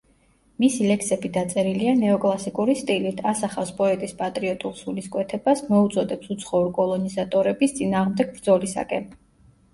მისი ლექსები დაწერილია ნეოკლასიკური სტილით, ასახავს პოეტის პატრიოტულ სულისკვეთებას, მოუწოდებს უცხოურ კოლონიზატორების წინააღმდეგ ბრძოლისაკენ.